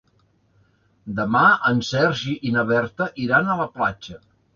Demà en Sergi i na Berta iran a la platja.